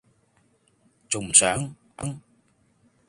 重唔上?